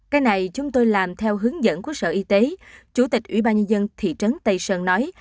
cái này chúng tôi làm theo hướng dẫn của sở y tế chủ tịch ủy ban nhân dân thị trấn tây sơn nói